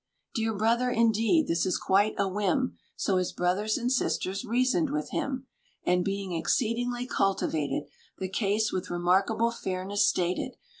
"Dear Brother, indeed, this is quite a whim." (So his brothers and sisters reasoned with him; And, being exceedingly cultivated, The case with remarkable fairness stated.)